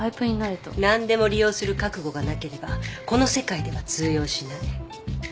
何でも利用する覚悟がなければこの世界では通用しない。